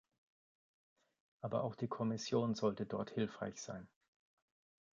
Aber auch die Kommission sollte dort hilfreich sein.